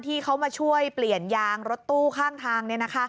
ที่เขามาช่วยเปลี่ยนยางรถตู้ข้างทาง